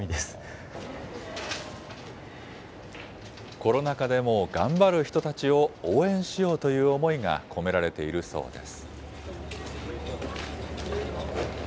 コロナ禍でも頑張る人たちを応援しようという思いが込められているそうです。